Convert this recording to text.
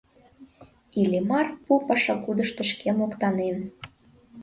Иллимар пу-пашагудышто шке моктанен.